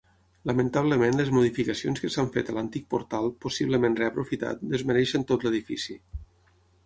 Lamentablement les modificacions que s'han fet a l'antic portal, possiblement reaprofitat, desmereixen tot l'edifici.